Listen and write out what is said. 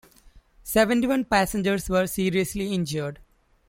Seventy-one passengers were seriously injured.